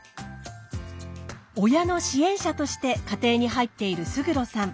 親の支援者として家庭に入っている勝呂さん。